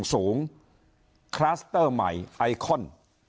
อย่างสูงคลาสเตอร์ใหม่ไอคอน